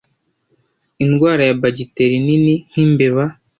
indwara ya bagiteri nini nk'imbeba